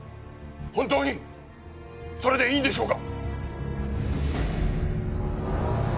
本当にそれでいいんでしょうか？